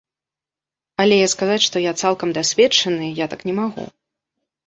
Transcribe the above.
Але, сказаць, што я цалкам дасведчаны, я так не магу.